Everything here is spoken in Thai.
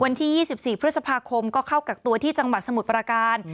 วันที่๒๔พฤษภาคมก็เข้ากักตัวที่จังหวัดสมุทรประการ